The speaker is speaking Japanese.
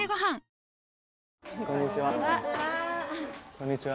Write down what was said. こんにちは。